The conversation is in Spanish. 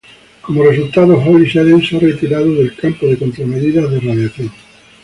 Como resultado, Hollis-Eden se ha retirado del campo de contramedidas de radiación.